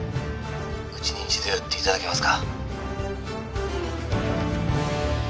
うちに一度寄っていただけますか